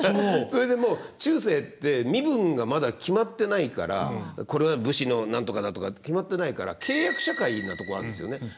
それでもう中世って身分がまだ決まってないからこれは武士の何とかだとかって決まってないから契約社会なとこあるんですよね。